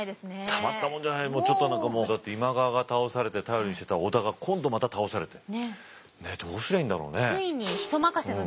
たまったもんじゃないちょっと何かもうだって今川が倒されて頼りにしてた織田が今度また倒されてねっどうすりゃいいんだろうね。